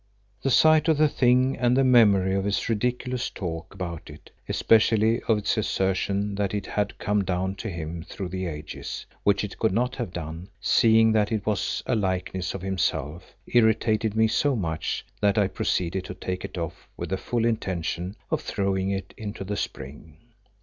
The sight of the thing and the memory of his ridiculous talk about it, especially of its assertion that it had come down to him through the ages, which it could not have done, seeing that it was a likeness of himself, irritated me so much that I proceeded to take it off with the full intention of throwing it into the spring.